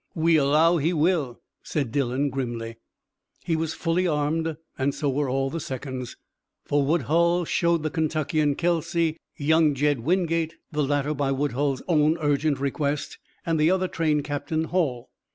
"We allow he will," said Dillon grimly. He was fully armed, and so were all the seconds. For Woodhull showed the Kentuckian, Kelsey, young Jed Wingate the latter by Woodhull's own urgent request and the other train captain, Hall.